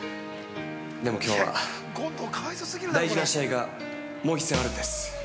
でも、きょうは、大事な試合がもう一戦あるんです。